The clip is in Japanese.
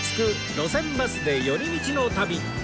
路線バスで寄り道の旅』